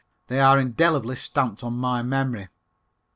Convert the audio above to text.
They are indelibly stamped on my memory.